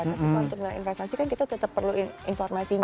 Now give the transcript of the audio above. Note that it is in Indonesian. tapi kalau untuk investasi kan kita tetap perlu informasinya